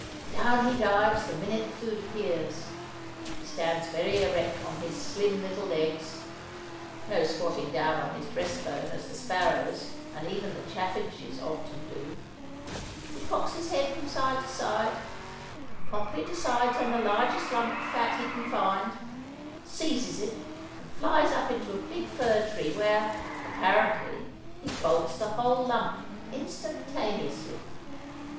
Down he dives the minute the food appears. He stands very erect on his slim little legs (no squatting down on his breast bone, as the sparrows and even the chaffinches often do); he cocks his head from side to side, promptly decides on the largest lump of fat he can find; seizes it, and flies up into a big fir tree, where, apparently, he bolts the whole lump instantaneously!